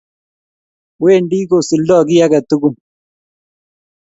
Wendi kosuldoi kiy ake tukul.